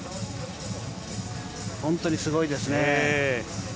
本当にすごいですね。